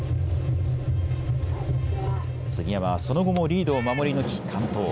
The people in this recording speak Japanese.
杉山はその後もリードを守り抜き完投。